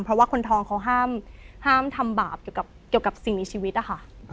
เพราะว่าคนทองเขาห้ามทำบาปเกี่ยวกับสิ่งในชีวิตนะคะ